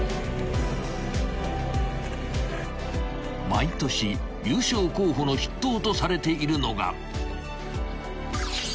［毎年優勝候補の筆頭とされているのが］